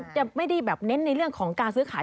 จะไม่ได้แบบเน้นในเรื่องของการซื้อขาย